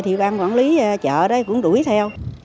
thì ban quản lý chợ đấy cũng đuổi theo